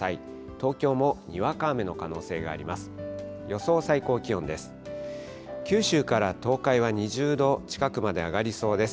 東京もにわか雨の可能性があります。